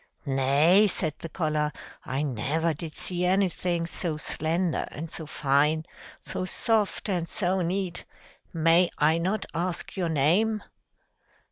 "Nay!" said the collar. "I never did see anything so slender and so fine, so soft and so neat. May I not ask your name?"